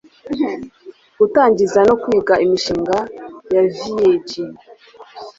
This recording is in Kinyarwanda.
Gutangiza no kwiga imishinga ya VYG